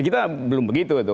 kita belum begitu itu